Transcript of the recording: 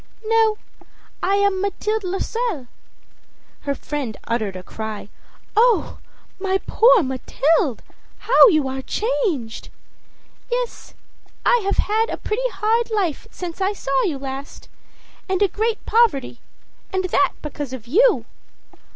â âNo. I am Mathilde Loisel.â Her friend uttered a cry. âOh, my poor Mathilde! How you are changed!â âYes, I have had a pretty hard life, since I last saw you, and great poverty and that because of you!